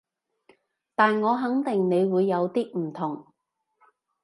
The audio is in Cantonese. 但我肯定你會有啲唔同